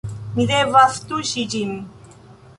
Mi devas tuŝi ĝin